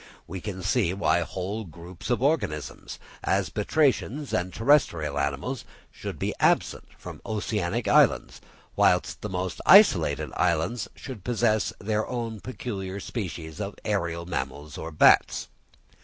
We can see why whole groups of organisms, as batrachians and terrestrial mammals, should be absent from oceanic islands, whilst the most isolated islands should possess their own peculiar species of aërial mammals or bats.